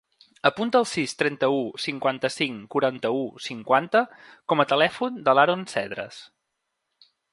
Apunta el sis, trenta-u, cinquanta-cinc, quaranta-u, cinquanta com a telèfon de l'Haron Cedres.